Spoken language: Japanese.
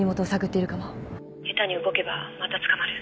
下手に動けばまた捕まる。